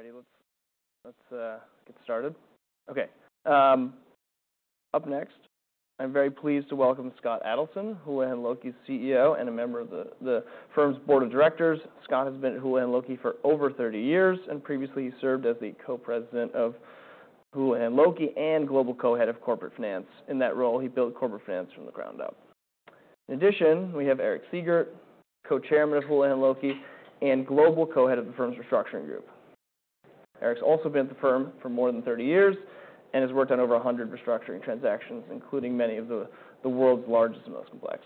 Alrighty, let's get started. Okay, up next, I'm very pleased to welcome Scott Adelson, Houlihan Lokey's CEO and a member of the firm's board of directors. Scott has been at Houlihan Lokey for over 30 years, and previously he served as the co-president of Houlihan Lokey and global co-head of corporate finance. In that role, he built corporate finance from the ground up. In addition, we have Eric Siegert, co-chairman of Houlihan Lokey and global co-head of the firm's restructuring group. Eric's also been at the firm for more than 30 years and has worked on over 100 restructuring transactions, including many of the world's largest and most complex.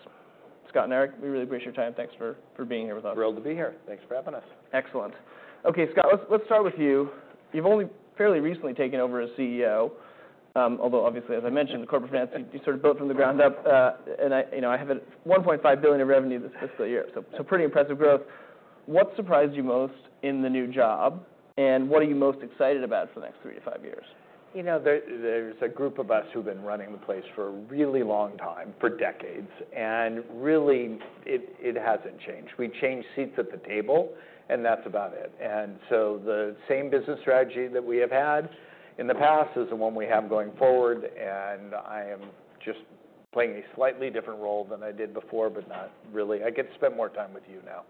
Scott and Eric, we really appreciate your time. Thanks for being here with us. Thrilled to be here. Thanks for having us. Excellent. Okay, Scott, let's start with you. You've only fairly recently taken over as CEO, although obviously, as I mentioned, the corporate finance you sort of built from the ground up, and you know, I have a $1.5 billion of revenue this fiscal year, so pretty impressive growth. What surprised you most in the new job, and what are you most excited about for the next three to five years? You know, there's a group of us who've been running the place for a really long time, for decades, and really it hasn't changed. We change seats at the table, and that's about it. So the same business strategy that we have had in the past is the one we have going forward, and I am just playing a slightly different role than I did before, but not really. I get to spend more time with you now.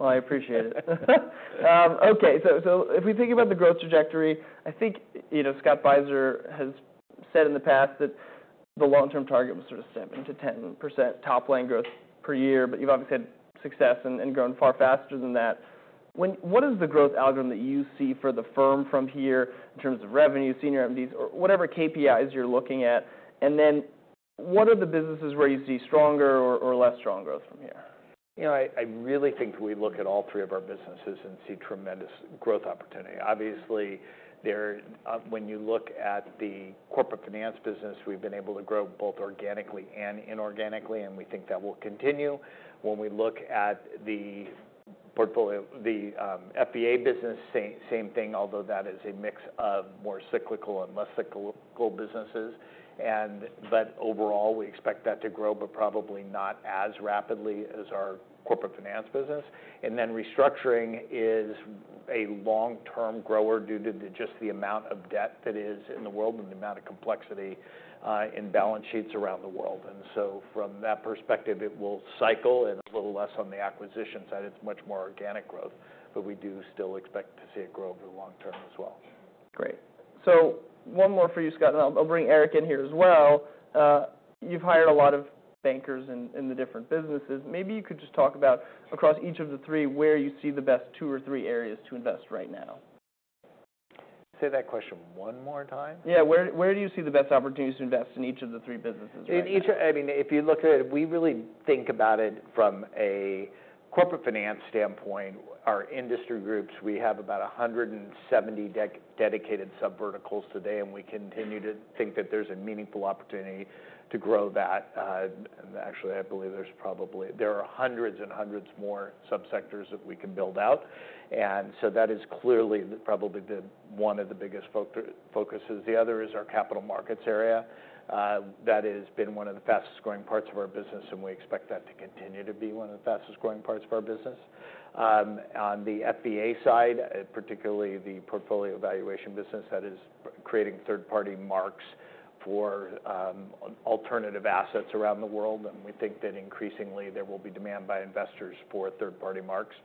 I appreciate it. Okay, so, so if we think about the growth trajectory, I think, you know, Scott Beiser has said in the past that the long-term target was sort of 7%-10% top-line growth per year, but you've obviously had success and grown far faster than that. Then what is the growth algorithm that you see for the firm from here in terms of revenue, senior MDs, or whatever KPIs you're looking at? Then what are the businesses where you see stronger or less strong growth from here? You know, I really think we look at all three of our businesses and see tremendous growth opportunity. Obviously, there when you look at the corporate finance business, we've been able to grow both organically and inorganically, and we think that will continue. When we look at the portfolio, the FVA business, same thing, although that is a mix of more cyclical and less cyclical businesses. But overall, we expect that to grow, but probably not as rapidly as our corporate finance business. Then Restructuring is a long-term grower due to just the amount of debt that is in the world and the amount of complexity in balance sheets around the world. So from that perspective, it will cycle and a little less on the acquisition side. It's much more organic growth, but we do still expect to see it grow over the long term as well. Great. So one more for you, Scott, and I'll bring Eric in here as well. You've hired a lot of bankers in the different businesses. Maybe you could just talk about across each of the three where you see the best two or three areas to invest right now. Say that question one more time. Yeah, where do you see the best opportunities to invest in each of the three businesses? In each, I mean, if you look at it, we really think about it from a Corporate Finance standpoint. Our industry groups, we have about 170 dedicated sub-verticals today, and we continue to think that there's a meaningful opportunity to grow that. Actually, I believe there's probably hundreds and hundreds more sub-sectors that we can build out and so that is clearly probably one of the biggest focuses. The other is our Capital Markets area. That has been one of the fastest growing parts of our business, and we expect that to continue to be one of the fastest growing parts of our business. On the FVA side, particularly the Portfolio Valuation business, that is creating third-party marks for alternative assets around the world and we think that increasingly there will be demand by investors for third-party marks.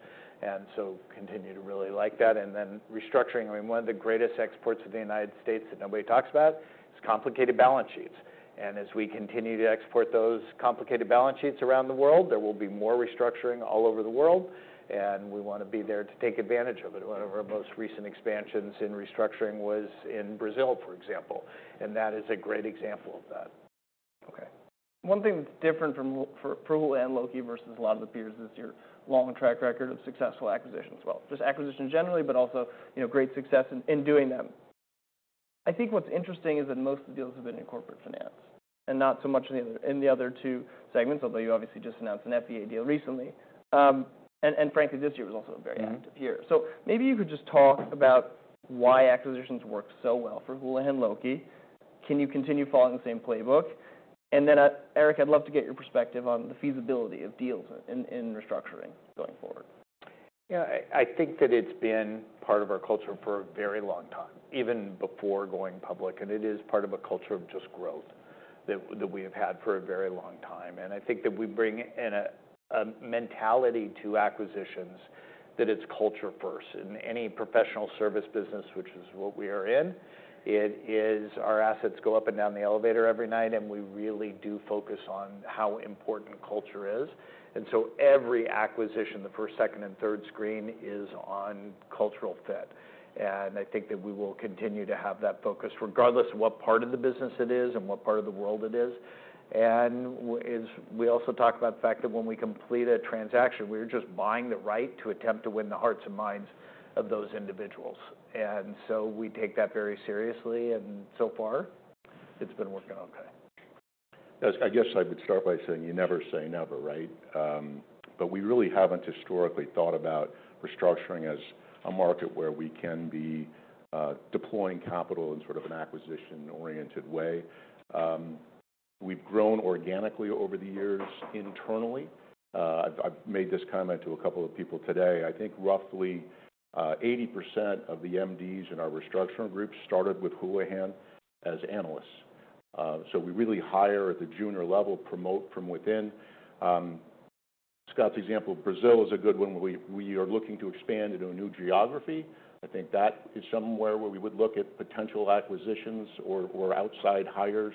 So continue to really like that. Then restructuring, I mean, one of the greatest exports of the United States that nobody talks about is complicated balance sheets. As we continue to export those complicated balance sheets around the world, there will be more restructuring all over the world, and we want to be there to take advantage of it. One of our most recent expansions in restructuring was in Brazil, for example, and that is a great example of that. Okay. One thing that's different from for Houlihan Lokey versus a lot of the peers is your long track record of successful acquisitions. Well, just acquisitions generally, but also, you know, great success in doing them. I think what's interesting is that most of the deals have been in corporate finance and not so much in the other two segments, although you obviously just announced an FVA deal recently, and frankly, this year was also very active here. So maybe you could just talk about why acquisitions work so well for Houlihan Lokey. Can you continue following the same playbook? Then, Eric, I'd love to get your perspective on the feasibility of deals in restructuring going forward. Yeah, I think that it's been part of our culture for a very long time, even before going public, and it is part of a culture of just growth that we have had for a very long time and I think that we bring in a mentality to acquisitions that it's culture first. In any professional service business, which is what we are in, it is our assets go up and down the elevator every night, and we really do focus on how important culture is. So every acquisition, the first, second, and third screen is on cultural fit. I think that we will continue to have that focus regardless of what part of the business it is and what part of the world it is and we also talk about the fact that when we complete a transaction, we are just buying the right to attempt to win the hearts and minds of those individuals. So we take that very seriously, and so far it's been working okay. I guess I would start by saying you never say never, right? But we really haven't historically thought about restructuring as a market where we can be deploying capital in sort of an acquisition-oriented way. We've grown organically over the years internally. I've made this comment to a couple of people today. I think roughly 80% of the MDs in our restructuring group started with Houlihan as analysts. So we really hire at the junior level, promote from within. Scott's example of Brazil is a good one. We are looking to expand into a new geography. I think that is somewhere where we would look at potential acquisitions or outside hires.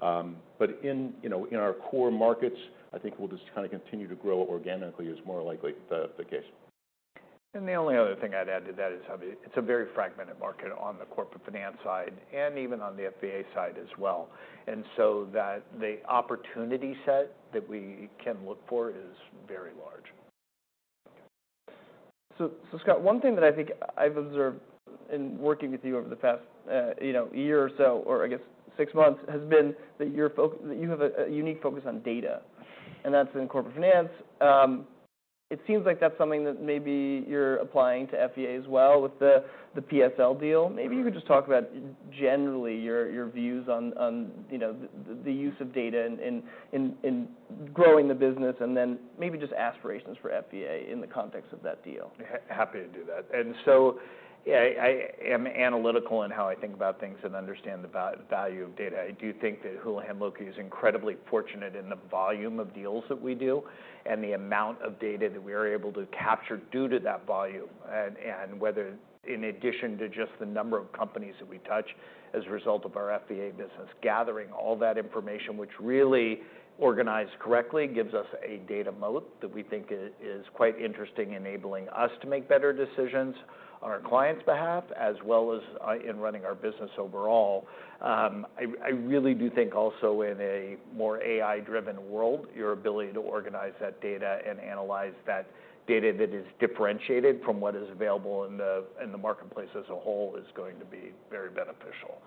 But in, you know, in our core markets, I think we'll just kind of continue to grow organically is more likely the case. The only other thing I'd add to that is probably it's a very fragmented market on the Corporate Finance side and even on the FVA side as well. So that the opportunity set that we can look for is very large. So, Scott, one thing that I think I've observed in working with you over the past, you know, year or so, or I guess six months, has been that you have a unique focus on data, and that's in corporate finance. It seems like that's something that maybe you're applying to FVA as well with the PSL deal. Maybe you could just talk about generally your views on, you know, the use of data in growing the business and then maybe just aspirations for FVA in the context of that deal. Happy to do that. So I am analytical in how I think about things and understand the value of data. I do think that Houlihan Lokey is incredibly fortunate in the volume of deals that we do and the amount of data that we are able to capture due to that volume. Whether in addition to just the number of companies that we touch as a result of our FVA business, gathering all that information, which really organized correctly, gives us a data moat that we think is quite interesting, enabling us to make better decisions on our client's behalf as well as in running our business overall. I really do think also in a more AI-driven world, your ability to organize that data and analyze that data that is differentiated from what is available in the marketplace as a whole is going to be very beneficial.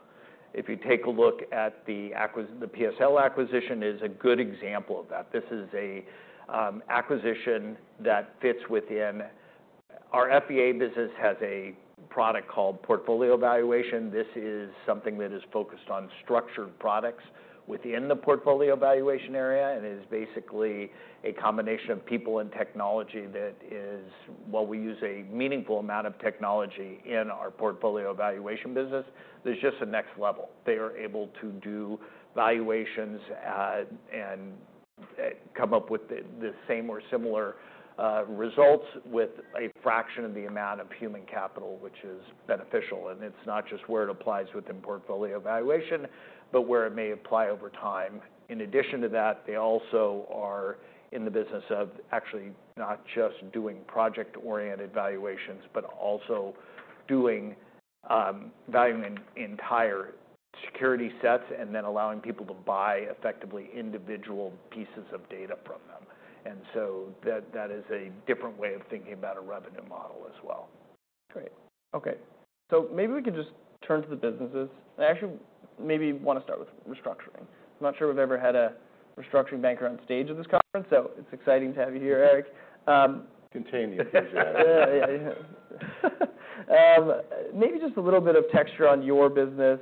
If you take a look at the acquisition, the PSL acquisition is a good example of that. This is an acquisition that fits within, our FVA business has a product called portfolio valuation. This is something that is focused on structured products within the portfolio valuation area, and it is basically a combination of people and technology that is what we use a meaningful amount of technology in our portfolio valuation business. There's just a next level. They are able to do valuations and come up with the same or similar results with a fraction of the amount of human capital, which is beneficial. It's not just where it applies within Portfolio Valuation, but where it may apply over time. In addition to that, they also are in the business of actually not just doing project-oriented valuations, but also doing valuing entire security sets and then allowing people to buy effectively individual pieces of data from them. So that is a different way of thinking about a revenue model as well. Great. Okay. So maybe we can just turn to the businesses. I actually maybe want to start with Restructuring. I'm not sure we've ever had a restructuring banker on stage in this conference, so it's exciting to have you here, Eric. Continue, exactly. Yeah, yeah, yeah. Maybe just a little bit of texture on your business.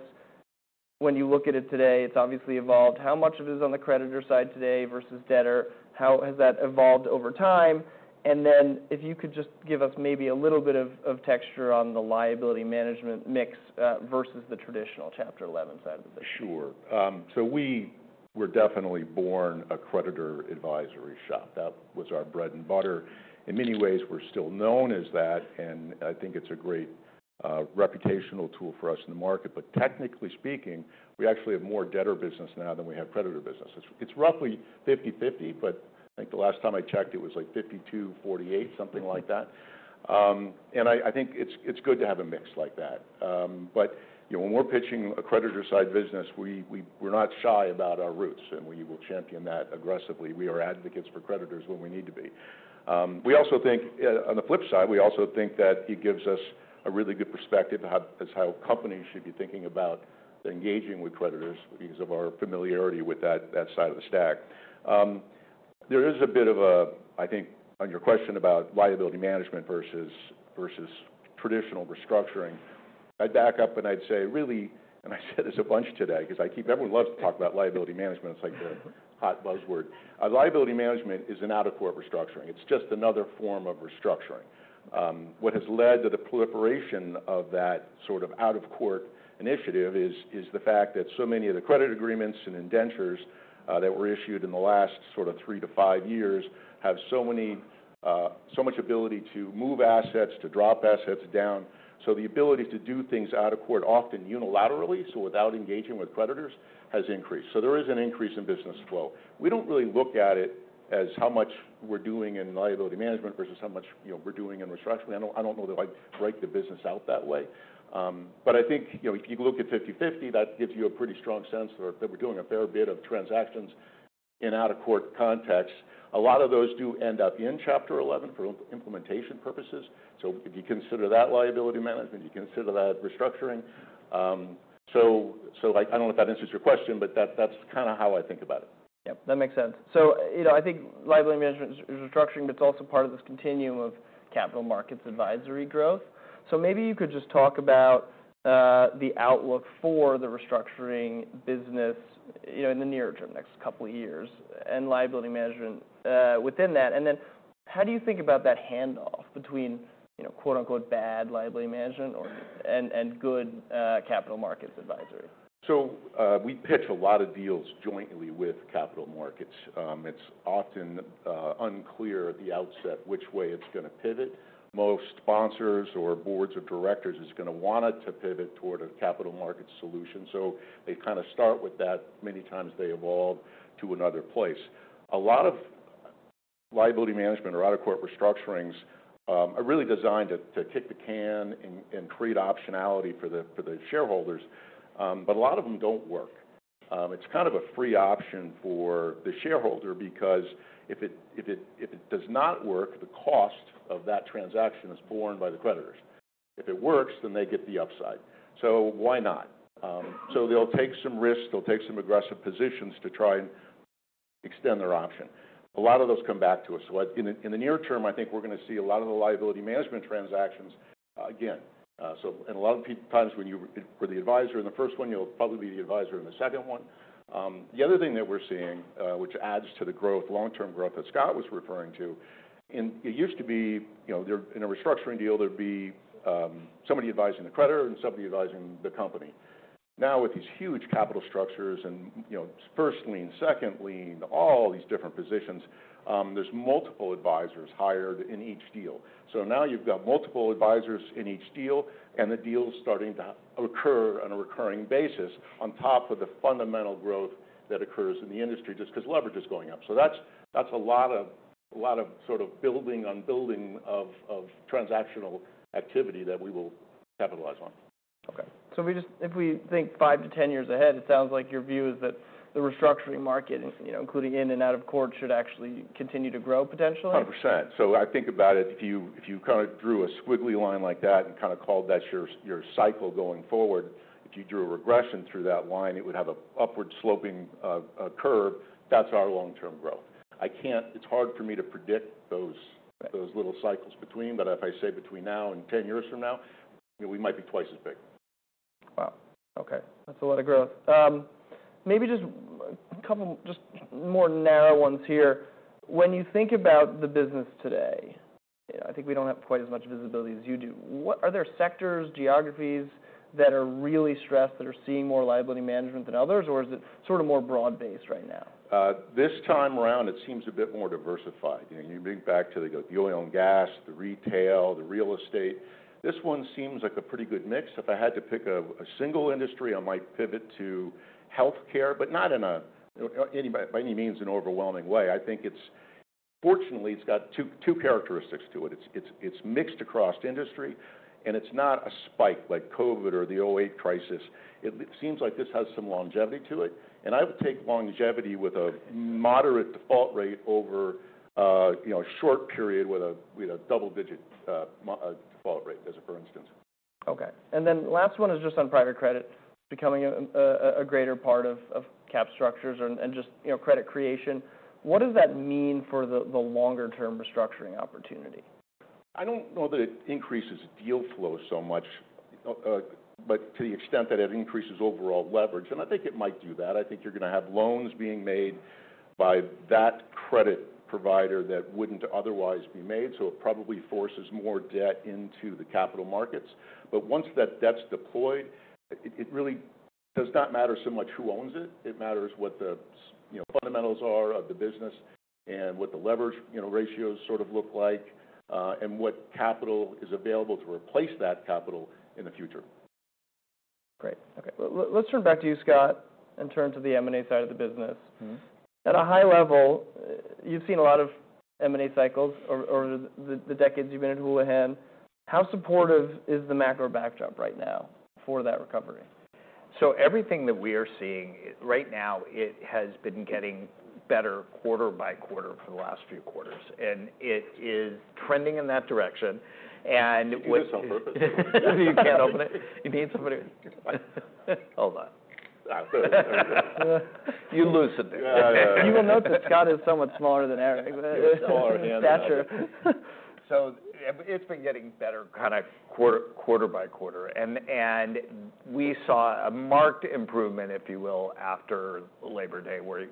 When you look at it today, it's obviously evolved. How much of it is on the creditor side today versus debtor? How has that evolved over time? Then if you could just give us maybe a little bit of texture on the liability management mix, versus the traditional Chapter 11 side of the business. Sure. We were definitely born a creditor advisory shop. That was our bread and butter. In many ways, we're still known as that, and I think it's a great reputational tool for us in the market. But technically speaking, we actually have more debtor business now than we have creditor business. It's roughly 50/50, but I think the last time I checked, it was like 52/48, something like that, and I think it's good to have a mix like that. You know, when we're pitching a creditor-side business, we're not shy about our roots, and we will champion that aggressively. We are advocates for creditors when we need to be. We also think, on the flip side, we also think that it gives us a really good perspective of how companies should be thinking about engaging with creditors because of our familiarity with that side of the stack. There is a bit of a, I think, on your question about liability management versus traditional restructuring. I'd back up and I'd say really, and I said this a bunch today because I keep everyone loves to talk about liability management. It's like the hot buzzword. Liability management is an out-of-court restructuring. It's just another form of restructuring. What has led to the proliferation of that sort of out-of-court initiative is the fact that so many of the credit agreements and indentures that were issued in the last sort of three to five years have so many, so much ability to move assets, to drop assets down. So the ability to do things out of court often unilaterally, so without engaging with creditors, has increased. So there is an increase in business flow. We don't really look at it as how much we're doing in liability management versus how much, you know, we're doing in restructuring. I don't know that I break the business out that way. But I think, you know, if you look at 50/50, that gives you a pretty strong sense that we're doing a fair bit of transactions in out-of-court context. A lot of those do end up in Chapter 11 for implementation purposes. So if you consider that liability management, you consider that restructuring. I don't know if that answers your question, but that's kind of how I think about it. Yeah, that makes sense. So, you know, I think liability management is restructuring, but it's also part of this continuum of capital markets advisory growth. So maybe you could just talk about the outlook for the restructuring business, you know, in the near term, next couple of years, and liability management within that. Then how do you think about that handoff between, you know, quote-unquote bad liability management and good capital markets advisory? So, we pitch a lot of deals jointly with capital markets. It's often unclear at the outset which way it's going to pivot. Most sponsors or boards of directors is going to want it to pivot toward a capital markets solution. So they kind of start with that. Many times they evolve to another place. A lot of liability management or out-of-court restructurings are really designed to kick the can and create optionality for the shareholders but a lot of them don't work. It's kind of a free option for the shareholder because if it does not work, the cost of that transaction is borne by the creditors. If it works, then they get the upside. So why not? So they'll take some risks. They'll take some aggressive positions to try and extend their option. A lot of those come back to us. In the near term, I think we're going to see a lot of the liability management transactions, again. In a lot of times when you were the advisor in the first one, you'll probably be the advisor in the second one. The other thing that we're seeing, which adds to the growth, long-term growth that Scott was referring to. In it used to be, you know, there in a restructuring deal, there'd be somebody advising the creditor and somebody advising the company. Now with these huge capital structures and, you know, first lien, second lien, all these different positions, there's multiple advisors hired in each deal. So now you've got multiple advisors in each deal, and the deal's starting to occur on a recurring basis on top of the fundamental growth that occurs in the industry just because leverage is going up. So that's a lot of sort of building on building of transactional activity that we will capitalize on. Okay, so if we just, if we think five to 10 years ahead, it sounds like your view is that the restructuring market, you know, including in and out of court, should actually continue to grow potentially. 100%. So I think about it. If you kind of drew a squiggly line like that and kind of called that your cycle going forward, if you drew a regression through that line, it would have an upward-sloping curve. That's our long-term growth. I can't. It's hard for me to predict those little cycles between, but if I say between now and 10 years from now, you know, we might be twice as big. Wow. Okay. That's a lot of growth. Maybe just a couple just more narrow ones here. When you think about the business today, you know, I think we don't have quite as much visibility as you do. What are there sectors, geographies that are really stressed, that are seeing more liability management than others, or is it sort of more broad-based right now? This time around, it seems a bit more diversified. You know, you think back to the oil and gas, the retail, the real estate. This one seems like a pretty good mix. If I had to pick a single industry, I might pivot to healthcare, but not in any, you know, by any means an overwhelming way. I think it's fortunately it's got two characteristics to it. It's mixed across industry, and it's not a spike like COVID or the 2008 crisis. It seems like this has some longevity to it, and I would take longevity with a moderate default rate over you know a short period with a double-digit default rate, as for instance. Okay. Then last one is just on private credit becoming a greater part of cap structures and just, you know, credit creation. What does that mean for the longer-term restructuring opportunity? I don't know that it increases deal flow so much, but to the extent that it increases overall leverage, and I think it might do that. I think you're going to have loans being made by that credit provider that wouldn't otherwise be made, so it probably forces more debt into the capital markets, but once that debt's deployed, it really does not matter so much who owns it. It matters what the, you know, fundamentals are of the business and what the leverage, you know, ratios sort of look like, and what capital is available to replace that capital in the future. Great. Okay. Let's turn back to you, Scott, in terms of the M&A side of the business. At a high level, you've seen a lot of M&A cycles over the decades you've been at Houlihan. How supportive is the macro backdrop right now for that recovery? So everything that we are seeing right now, it has been getting better quarter-by-quarter for the last few quarters, and it is trending in that direction, and with- You did this on purpose. You can't open it. You need somebody to. Hold on. You loosened it. You will note that Scott is somewhat smaller than Eric. Smaller hand. Stature. It's been getting better kind of quarter by quarter and we saw a marked improvement, if you will, after Labor Day, where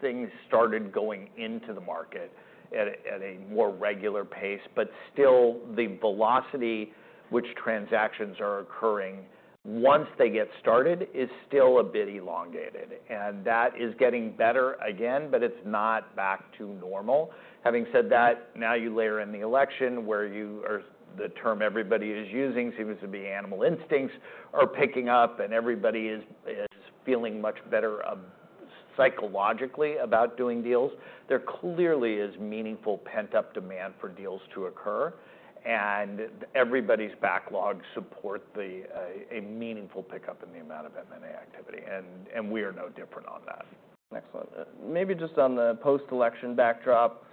things started going into the market at a more regular pace. But still, the velocity which transactions are occurring once they get started is still a bit elongated. That is getting better again, but it's not back to normal. Having said that, now you layer in the election where you are, the term everybody is using seems to be animal instincts are picking up, and everybody is feeling much better psychologically about doing deals. There clearly is meaningful pent-up demand for deals to occur, and everybody's backlogs support a meaningful pickup in the amount of M&A activity and we are no different on that. Excellent. Maybe just on the post-election backdrop,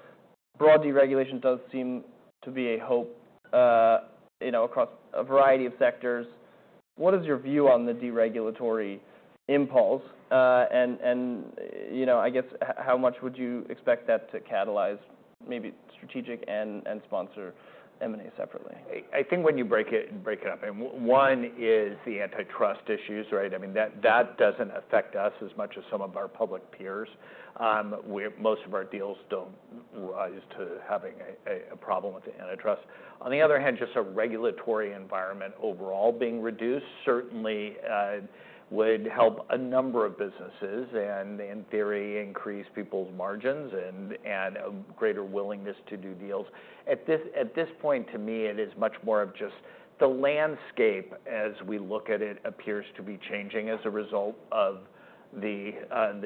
broad deregulation does seem to be a hope, you know, across a variety of sectors. What is your view on the deregulatory impulse? You know, I guess how much would you expect that to catalyze maybe strategic and sponsor M&A separately? I think when you break it up, and one is the antitrust issues, right? I mean, that doesn't affect us as much as some of our public peers. We're most of our deals don't rise to having a problem with the antitrust. On the other hand, just a regulatory environment overall being reduced certainly would help a number of businesses and, in theory, increase people's margins and a greater willingness to do deals. At this point, to me, it is much more of just the landscape as we look at it appears to be changing as a result of the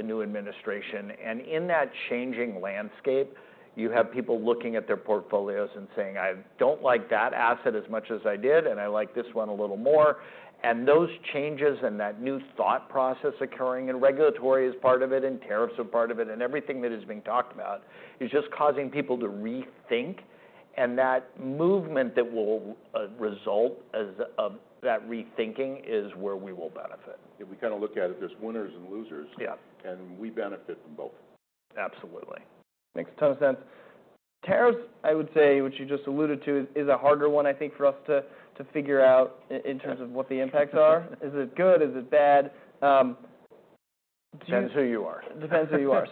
new administration. In that changing landscape, you have people looking at their portfolios and saying, "I don't like that asset as much as I did, and I like this one a little more," and those changes and that new thought process occurring in regulatory is part of it, and tariffs are part of it, and everything that is being talked about is just causing people to rethink. That movement that will result as of that rethinking is where we will benefit. If we kind of look at it, there's winners and losers- Yeah. -and we benefit from both. Absolutely. Makes a ton of sense. Tariffs, I would say, which you just alluded to, is a harder one, I think, for us to, to figure out in terms of what the impacts are. Is it good? Is it bad? Depends who you are. Depends who you are.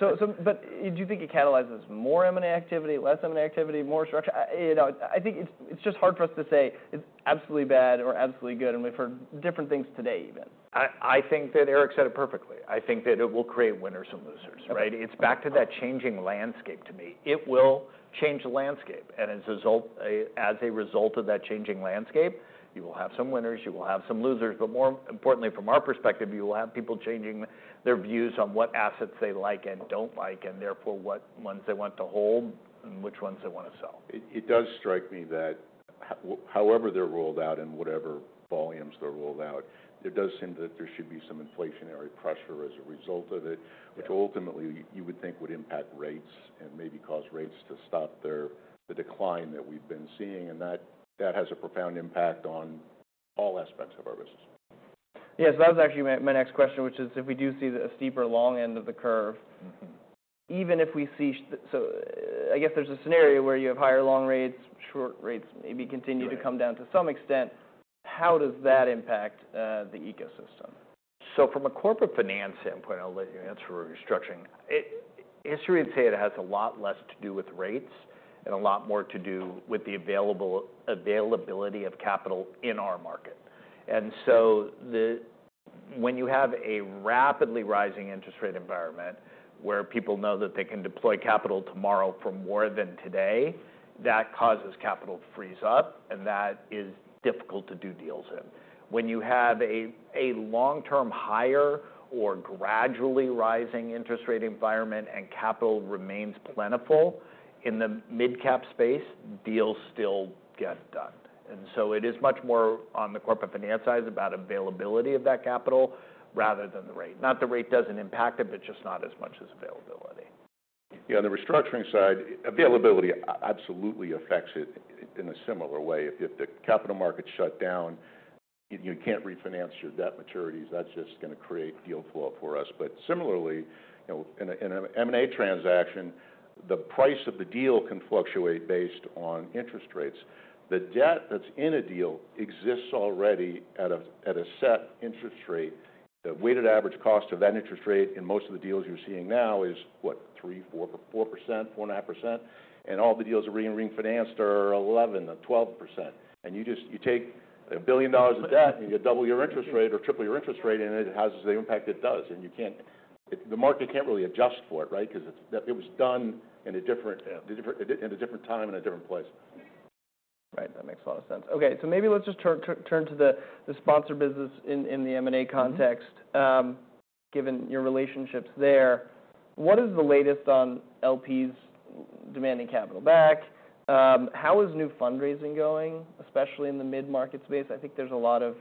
But do you think it catalyzes more M&A activity, less M&A activity, more structure? You know, I think it's just hard for us to say it's absolutely bad or absolutely good, and we've heard different things today even. I think that Eric said it perfectly. I think that it will create winners and losers, right? It's back to that changing landscape to me. It will change the landscape and as a result of that changing landscape, you will have some winners, you will have some losers, but more importantly, from our perspective, you will have people changing their views on what assets they like and don't like, and therefore what ones they want to hold and which ones they want to sell. It does strike me that however they're rolled out and whatever volumes they're rolled out, there does seem that there should be some inflationary pressure as a result of it, which ultimately you would think would impact rates and maybe cause rates to stop the decline that we've been seeing, and that has a profound impact on all aspects of our business. Yeah. So that was actually my next question, which is if we do see the steeper long end of the curve, even if we see so I guess there's a scenario where you have higher long rates, short rates maybe continue to come down to some extent. How does that impact the ecosystem? So from a corporate finance standpoint, I'll let you answer restructuring. History would say it has a lot less to do with rates and a lot more to do with the availability of capital in our market. When you have a rapidly rising interest rate environment where people know that they can deploy capital tomorrow for more than today, that causes capital to freeze up, and that is difficult to do deals in. When you have a long-term higher or gradually rising interest rate environment and capital remains plentiful in the mid-cap space, deals still get done. It is much more on the corporate finance side about availability of that capital rather than the rate. Not the rate doesn't impact it, but just not as much as availability. Yeah. On the restructuring side, availability absolutely affects it in a similar way. If the capital markets shut down, you can't refinance your debt maturities. That's just going to create deal flow for us. But similarly, you know, in an M&A transaction, the price of the deal can fluctuate based on interest rates. The debt that's in a deal exists already at a set interest rate. The weighted average cost of that interest rate in most of the deals you're seeing now is what, 3%-4%, 4.5%, and all the deals that are being refinanced are 11%-12%. You just take $1 billion of debt and you double your interest rate or triple your interest rate, and it has the impact it does and you can't, the market can't really adjust for it, right, because it was done in a different time and a different place. Right. That makes a lot of sense. Okay. So maybe let's just turn to the sponsor business in the M&A context. Given your relationships there, what is the latest on LPs demanding capital back? How is new fundraising going, especially in the mid-market space? I think there's a lot of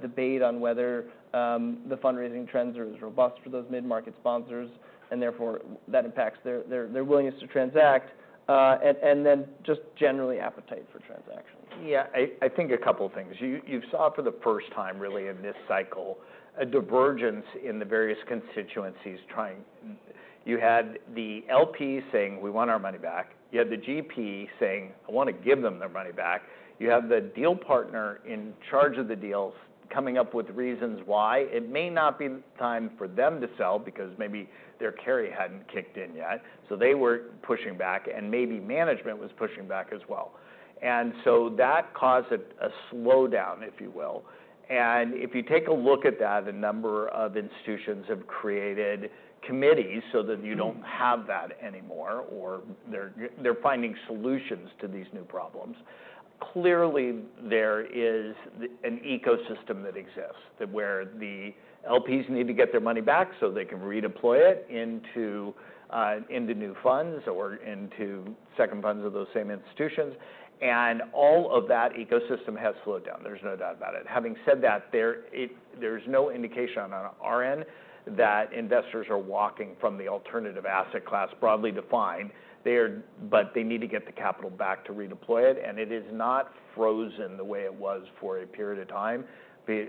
debate on whether the fundraising trends are as robust for those mid-market sponsors and therefore that impacts their willingness to transact, and then just generally appetite for transactions. Yeah. I think a couple of things. You saw for the first time really in this cycle a divergence in the various constituencies trying. You had the LP saying, "We want our money back." You had the GP saying, "I want to give them their money back." You have the deal partner in charge of the deals coming up with reasons why it may not be the time for them to sell because maybe their carry hadn't kicked in yet. So they were pushing back, and maybe management was pushing back as well. That caused a slowdown, if you will. If you take a look at that, a number of institutions have created committees so that you don't have that anymore, or they're finding solutions to these new problems. Clearly, there is an ecosystem that exists where the LPs need to get their money back so they can redeploy it into new funds or into secondary funds of those same institutions, and all of that ecosystem has slowed down. There's no doubt about it. Having said that, there is no indication on our end that investors are walking from the alternative asset class broadly defined. They are, but they need to get the capital back to redeploy it and it is not frozen the way it was for a period of time.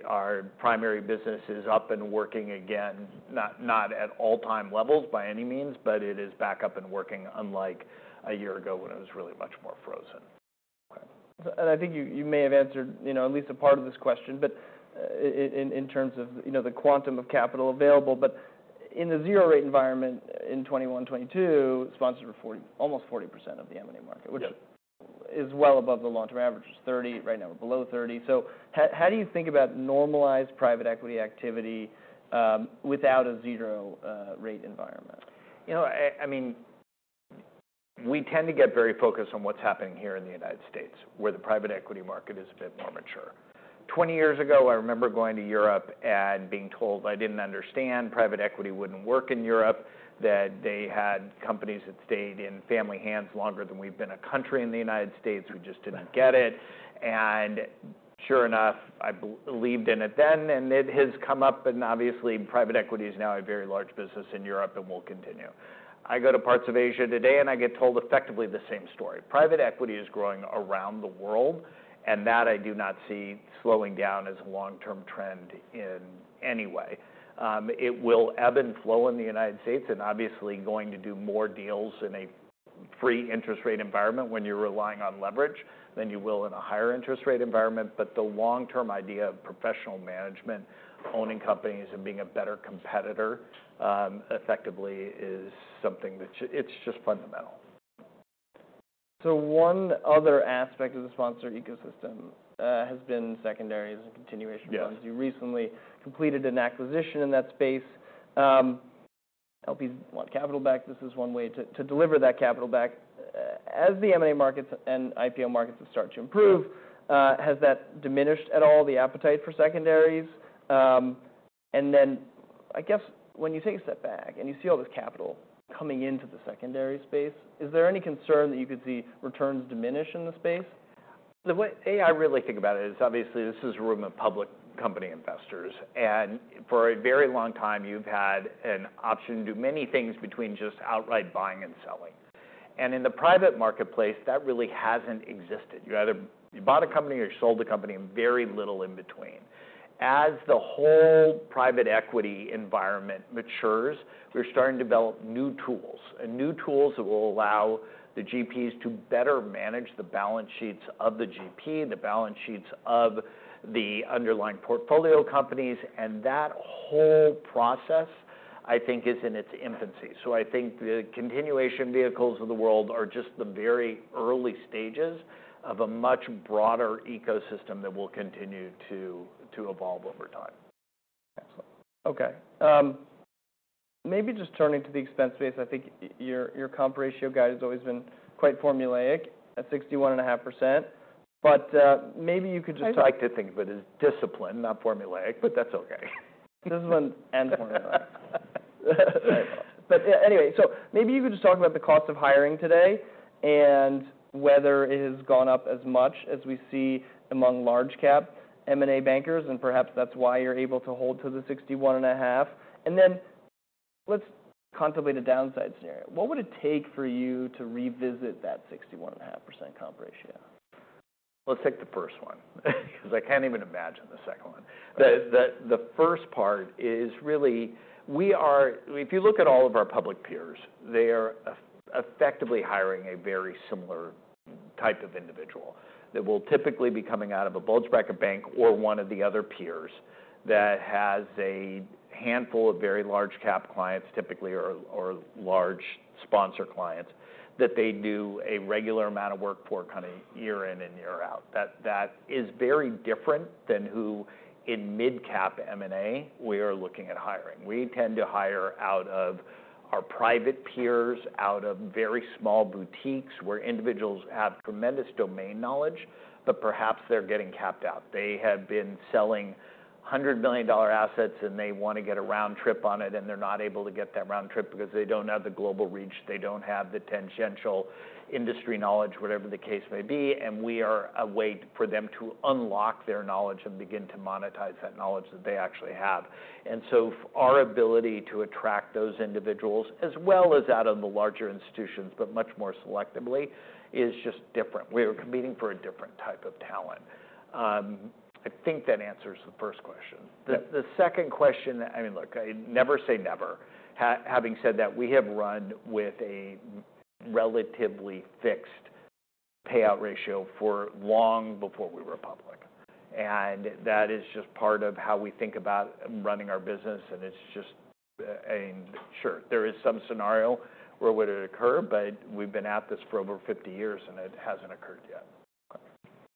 Our primary business is up and working again, not at all-time levels by any means, but it is back up and working unlike a year ago when it was really much more frozen. Okay. I think you may have answered, you know, at least a part of this question, but in terms of, you know, the quantum of capital available. But in the zero-rate environment in 2021, 2022, sponsors were 40%, almost 40% of the M&A market, which is well above the long-term average, is 30%, right now we're below 30%. So how do you think about normalized private equity activity, without a zero-rate environment? You know, I mean, we tend to get very focused on what's happening here in the United States where the private equity market is a bit more mature. 20 years ago, I remember going to Europe and being told I didn't understand. Private equity wouldn't work in Europe, that they had companies that stayed in family hands longer than we've been a country in the United States. We just didn't get it. Sure enough, I believed in it then, and it has come up, and obviously, private equity is now a very large business in Europe and will continue. I go to parts of Asia today, and I get told effectively the same story. Private equity is growing around the world, and that I do not see slowing down as a long-term trend in any way. It will ebb and flow in the United States and obviously going to do more deals in a free interest rate environment when you're relying on leverage than you will in a higher interest rate environment. But the long-term idea of professional management, owning companies and being a better competitor, effectively is something that it's just fundamental. So one other aspect of the sponsor ecosystem has been secondaries and continuation funds. You recently completed an acquisition in that space. LPs want capital back. This is one way to deliver that capital back. As the M&A markets and IPO markets have started to improve, has that diminished at all the appetite for secondaries? Then I guess when you take a step back and you see all this capital coming into the secondary space, is there any concern that you could see returns diminish in the space? The way I really think about it is obviously this is a room of public company investors and for a very long time, you've had an option to do many things between just outright buying and selling. In the private marketplace, that really hasn't existed. You either bought a company or you sold a company and very little in between. As the whole private equity environment matures, we're starting to develop new tools, new tools that will allow the GPs to better manage the balance sheets of the GP, the balance sheets of the underlying portfolio companies and that whole process, I think, is in its infancy. So I think the continuation vehicles of the world are just the very early stages of a much broader ecosystem that will continue to evolve over time. Excellent. Okay. Maybe just turning to the expense space, I think your comp ratio guide has always been quite formulaic, a 61.5%. But, maybe you could just talk. I like to think of it as discipline, not formulaic, but that's okay. Discipline and formulaic. But anyway, so maybe you could just talk about the cost of hiring today and whether it has gone up as much as we see among large cap M&A bankers, and perhaps that's why you're able to hold to the 61.5%. Then let's contemplate a downside scenario. What would it take for you to revisit that 61.5% comp ratio? Let's take the first one because I can't even imagine the second one. The first part is really we are, if you look at all of our public peers, they are effectively hiring a very similar type of individual that will typically be coming out of a Bulge Bracket bank or one of the other peers that has a handful of very large cap clients typically or large sponsor clients that they do a regular amount of work for kind of year in and year out. That is very different than who in mid-cap M&A we are looking at hiring. We tend to hire out of our private peers, out of very small boutiques where individuals have tremendous domain knowledge, but perhaps they're getting capped out. They have been selling $100 million assets and they want to get a round trip on it, and they're not able to get that round trip because they don't have the global reach, they don't have the tangential industry knowledge, whatever the case may be. We are a way for them to unlock their knowledge and begin to monetize that knowledge that they actually have. Our ability to attract those individuals as well as out of the larger institutions, but much more selectively, is just different. We are competing for a different type of talent. I think that answers the first question. The second question, I mean, look, I never say never. Having said that, we have run with a relatively fixed payout ratio for long before we were public. That is just part of how we think about running our business. It's just, I mean, sure, there is some scenario where it would occur, but we've been at this for over 50 years and it hasn't occurred yet.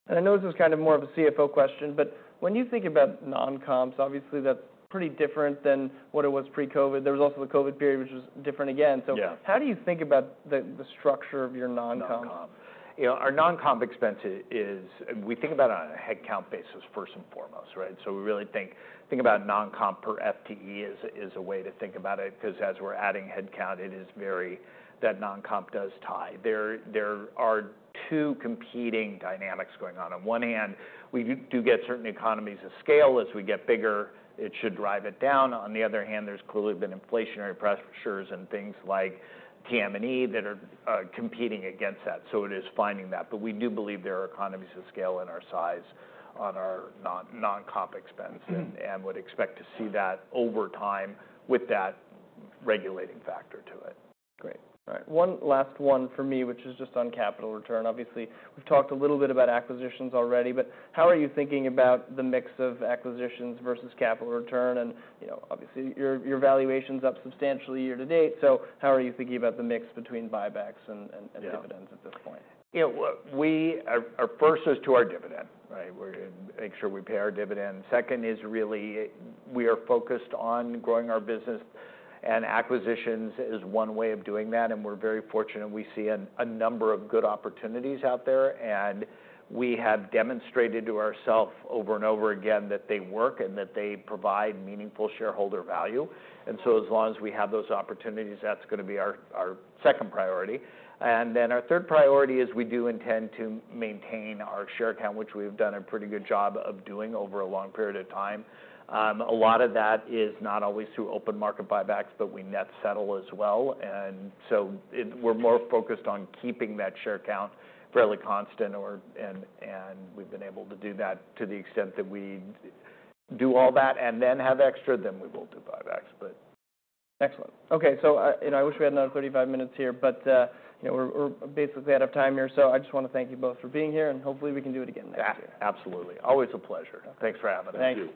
Okay. I know this is kind of more of a CFO question, but when you think about non-comps, obviously that's pretty different than what it was pre-COVID. There was also the COVID period, which was different again. So how do you think about the, the structure of your non-comp? You know, our non-comp expense is, we think about it on a headcount basis first and foremost, right? So we really think about non-comp per FTE as a way to think about it because as we're adding headcount, it is very, that non-comp does tie. There are two competing dynamics going on. On one hand, we do get certain economies of scale. As we get bigger, it should drive it down. On the other hand, there's clearly been inflationary pressures and things like TM&E that are competing against that. So it is finding that. But we do believe there are economies of scale in our size on our non-comp expense and would expect to see that over time with that regulating factor to it. Great. All right. One last one for me, which is just on capital return. Obviously, we've talked a little bit about acquisitions already, but how are you thinking about the mix of acquisitions versus capital return? You know, obviously your valuation's up substantially year to date, so how are you thinking about the mix between buybacks and dividends at this point? You know, our first is to our dividend, right? We're making sure we pay our dividend. Second is really we are focused on growing our business, and acquisitions is one way of doing that and we're very fortunate. We see a number of good opportunities out there, and we have demonstrated to ourself over and over again that they work and that they provide meaningful shareholder value. So as long as we have those opportunities, that's going to be our second priority. Then our third priority is we do intend to maintain our share count, which we've done a pretty good job of doing over a long period of time. A lot of that is not always through open market buybacks, but we net settle as well. We're more focused on keeping that share count fairly constant or and we've been able to do that to the extent that we do all that and then have extra, we will do buybacks, but- Excellent. Okay. So, you know, I wish we had another 35 minutes here, but, you know, we're basically out of time here. So I just want to thank you both for being here, and hopefully we can do it again next year. Absolutely. Always a pleasure. Thanks for having us. Thank you.